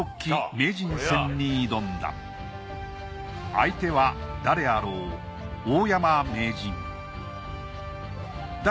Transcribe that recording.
相手は誰あろう大山名人一進一退。